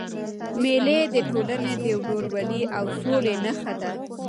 مېلې د ټولني د ورورولۍ او سولي نخښه ده.